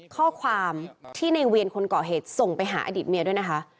ข้อความที่ในเวียนคนก่อเหตุส่งไปหาอดีตเมียด้วยนะคะ